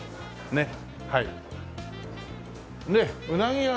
ねっ。